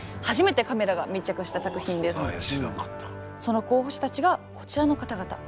その候補者たちがこちらの方々。